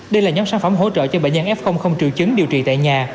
đây là nhóm sản phẩm hỗ trợ cho bệnh nhân f không triệu chứng điều trị tại nhà